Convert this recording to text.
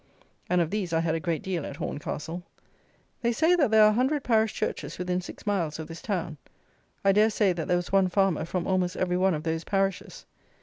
_" And of these I had a great deal at Horncastle. They say that there are a hundred parish churches within six miles of this town. I dare say that there was one farmer from almost every one of those parishes.